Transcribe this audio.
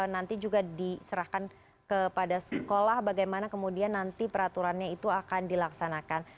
nanti juga diserahkan kepada sekolah bagaimana kemudian nanti peraturannya itu akan dilaksanakan